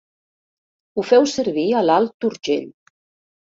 Ho feu servir a l'Alt Urgell.